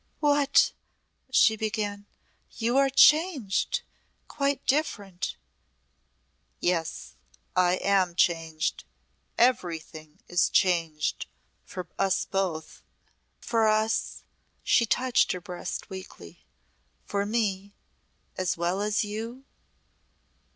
"What ?" she began, "You are changed quite different " "Yes, I am changed. Everything is changed for us both!" "For us " She touched her breast weakly. "For me as well as you?"